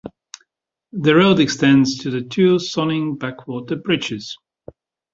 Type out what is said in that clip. The road extends to the two Sonning Backwater Bridges.